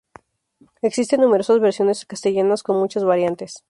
Existen numerosas versiones castellanas con muchas variantes.